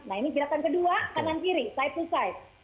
nah ini gerakan kedua kanan kiri side to side